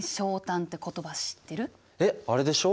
えっあれでしょ？